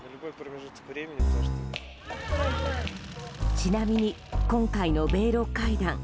ちなみに今回の米露会談